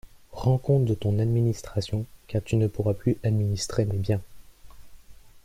Rends compte de ton administration, car tu ne pourras plus administrer mes biens.